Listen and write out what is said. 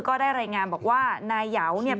ก็ได้รายงานบอกว่านายเหยาวเนี่ย